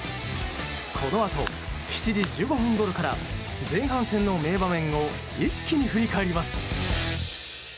このあと７時１５分ごろから前半戦の名場面を一気に振り返ります。